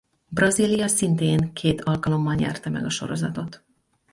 Brazília szintén két alkalommal nyerte meg a sorozatot.